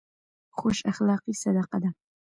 خوش اخلاقي صدقه ده.